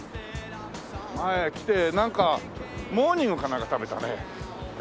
前来てなんかモーニングかなんか食べたね。